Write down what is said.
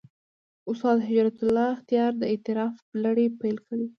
استاد هجرت الله اختیار د «اعتراف» لړۍ پېل کړې.